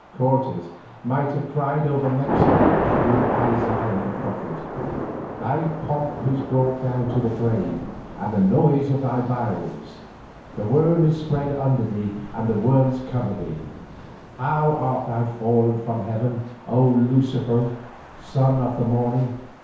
Cortes might have cried over Mexico with Isaiah the prophet: "Thy pomp is brought down to the grave, and the noise of thy viols: the worm is spread under thee and the worms cover thee. How art thou fallen from heaven, O Lucifer, son of the morning!